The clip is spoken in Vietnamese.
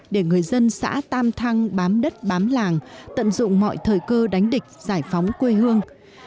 để người dân xã tam thăng bám đất bám làng tận dụng mọi thời cơ đánh địch giải phóng quê hương